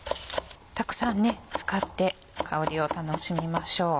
たくさん使って香りを楽しみましょう。